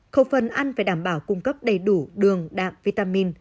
khẩu phân ăn phải đảm bảo cung cấp đầy đủ đường đạm vitamin